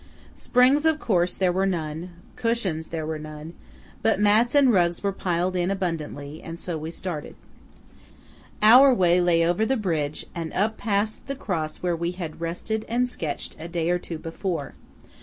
Springs, of course, there were none; cushions there were none; but mats and rugs were piled in abundantly, and so we started. Our way lay over the bridge and up past the cross where we had rested and sketched a day or two before.